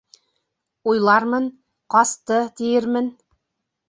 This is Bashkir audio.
— Уйлармын, ҡасты, тиермен.